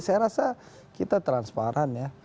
saya rasa kita transparan ya